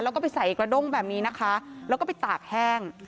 แล้วก็ไปใส่กระด้งแบบนี้นะคะแล้วก็ไปตากแห้ง